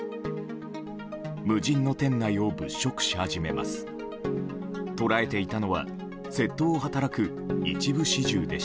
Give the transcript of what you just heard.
無人の店内を物色し始めます。